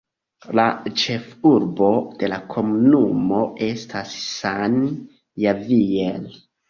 La ĉefurbo de la komunumo estas San Javier.